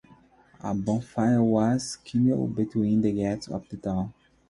A bonfire was kindled between the gates of the town.